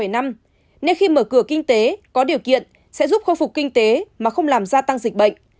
nên khi mở cửa kinh tế có điều kiện sẽ giúp khôi phục kinh tế mà không làm gia tăng dịch bệnh